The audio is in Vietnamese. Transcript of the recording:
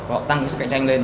họ tăng cái sự cạnh tranh lên